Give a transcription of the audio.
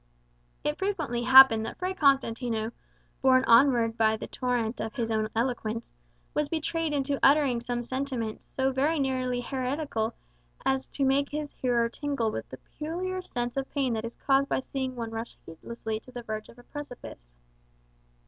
It frequently happened that Fray Constantino, borne onward by the torrent of his own eloquence, was betrayed into uttering some sentiment so very nearly heretical as to make his hearer tingle with the peculiar sense of pain that is caused by seeing one rush heedlessly to the verge of a precipice.